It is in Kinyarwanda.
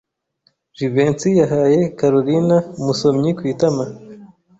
Jivency yahaye Kalorina umusomyi ku itama.